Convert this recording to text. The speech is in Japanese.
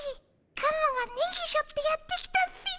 カモがネギしょってやって来たっピィ。